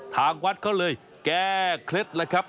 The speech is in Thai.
ทางวัดเขาเลยแก้เคล็ดแล้วครับ